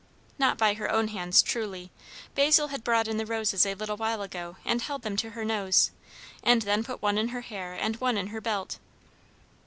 Not by her own hands, truly; Basil had brought in the roses a little while ago and held them to her nose, and then put one in her hair and one in her belt.